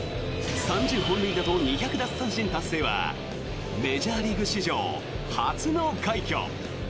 ３０本塁打と２００奪三振達成はメジャーリーグ史上初の快挙。